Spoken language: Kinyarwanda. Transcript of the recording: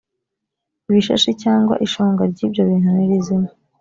ibishashi cyangwa ishonga ry’ ibyo bintu nirizima.